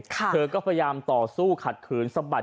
เธอก็พยายามต่อสู้ขัดขืนสะบัด